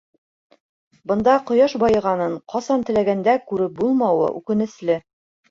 Бында ҡояш байығанын ҡасан теләгәндә күреп булмауы үкенесле!